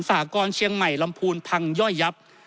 หกรณ์เชียงใหม่ลำพูนพังย่อยยับ